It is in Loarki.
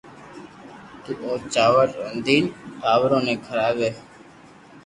تو او چاور رودين ٽاٻرو ني کراوي